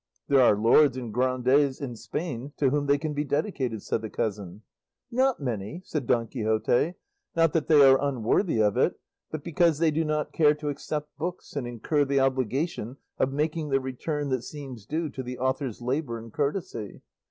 "There are lords and grandees in Spain to whom they can be dedicated," said the cousin. "Not many," said Don Quixote; "not that they are unworthy of it, but because they do not care to accept books and incur the obligation of making the return that seems due to the author's labour and courtesy.